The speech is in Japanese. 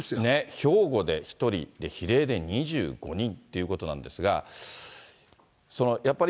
兵庫で１人、比例で２５人っていうことなんですが、やっぱり